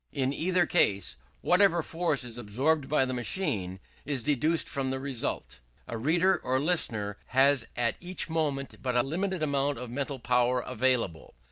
In either case, whatever force is absorbed by the machine is deducted from the result. A reader or listener has at each moment but a limited amount of mental power available.